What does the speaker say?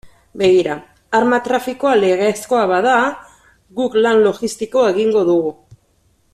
Begira, arma trafikoa legezkoa bada, guk lan logistikoa egingo dugu.